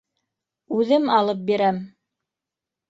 Үҙем алып бирәм!